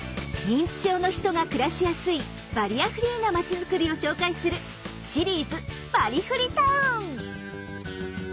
認知症の人が暮らしやすいバリアフリーな町づくりを紹介するシリーズ「バリフリ・タウン」。